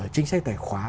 chính sách tài khoá